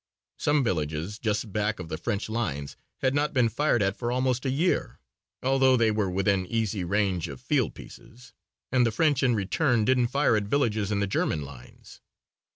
Some villages just back of the French lines had not been fired at for almost a year, although they were within easy range of field pieces, and the French in return didn't fire at villages in the German lines.